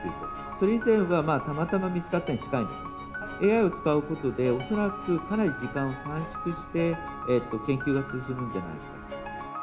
それ以前はたまたま見つかったに近いが、ＡＩを使うことで、恐らく、かなり時間を短縮して、研究が進むんじゃないかと。